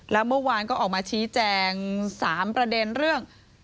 แล้วเมื่อวานก็ออกมาชี้แจง๓ประเด็นเรื่อง